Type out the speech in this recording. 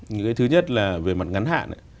những cái thứ nhất là về mặt ngắn hạn